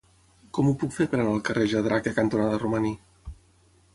Com ho puc fer per anar al carrer Jadraque cantonada Romaní?